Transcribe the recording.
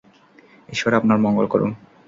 ঈশ্বর আপনার মঙ্গল করুন।